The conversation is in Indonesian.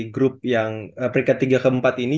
grup yang peringkat tiga ke empat ini